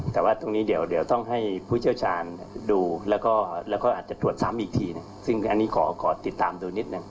แต่ว่าตรงนี้เดี๋ยวเดี๋ยวต้องให้ผู้เจ้าชาญดูแล้วก็แล้วก็อาจจะถวดซ้ำอีกทีน่ะซึ่งอันนี้ขอขอติดตามดูนิดนึง